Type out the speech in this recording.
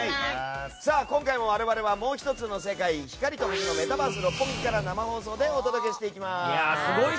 今回も我々はもう１つの世界光と星のメタバース六本木から生放送でお届けします。